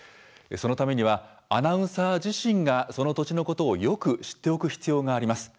そのためにはアナウンサー自身がその土地のことをよく知っておく必要があります。